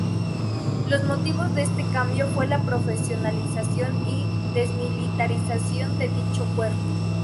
Los motivos de este cambio fue la profesionalización y desmilitarización de dicho cuerpo.